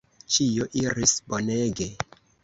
Ĉio iris bonege.